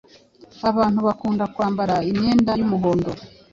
Abantu bakunda kwambara imyenda y’umuhondo